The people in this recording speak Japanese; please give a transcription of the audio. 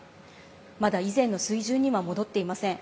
まだ以前の水準には戻っていません。